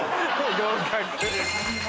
合格。